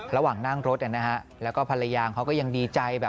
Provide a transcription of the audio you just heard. ระหว่างนั่งรถนะฮะแล้วก็ภรรยาเขาก็ยังดีใจแบบ